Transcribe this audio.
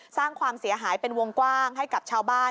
สร้างความเสียหายเป็นวงกว้างให้กับชาวบ้าน